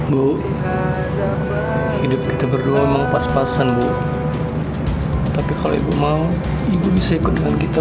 bu hidup kita berdua memang pas pasan bu tapi kalau ibu mau ibu bisa ikut dengan kita